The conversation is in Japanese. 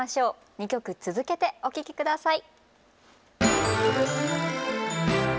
２曲続けてお聞き下さい。